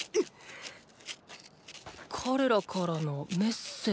⁉彼らからのメッセージ？